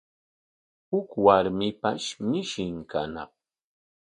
Huk warmipash mishin kañaq.